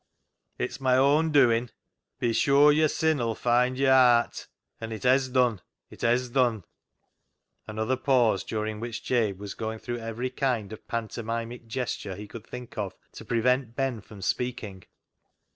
" It's my own doin'. * Be sure your sih 'ull find yo' aat !' An' it hez done ! It hez done !" Another pause ; during which Jabe was going through every kind of pantomimic gesture he could think of to prevent Ben from speaking.